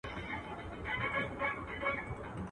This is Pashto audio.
که ولي نه يم، خالي هم نه يم.